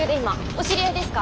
お知り合いですか？